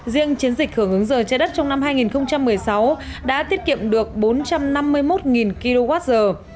riêng chiến dịch hưởng ứng rời trái đất trong năm hai nghìn một mươi sáu đã tiết kiệm được bốn trăm năm mươi một kilowatt giờ